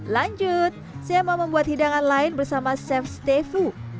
lanjut saya mau membuat hidangan lain bersama chef stefu